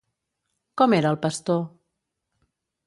Com era el pastor?